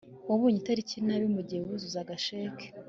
wabonye itariki nabi mugihe wuzuzaga cheque